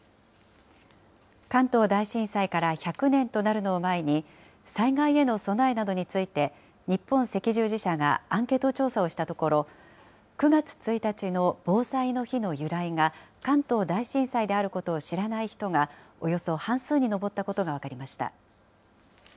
関東大震災から１００年となるのを前に、災害への備えなどについて日本赤十字社がアンケート調査をしたところ、９月１日の防災の日の由来が、関東大震災であることを知らない人がおよそ半数に上ったことが分かりました。